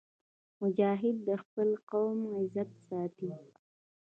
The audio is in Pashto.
مجاهد د خپل قوم عزت ساتي.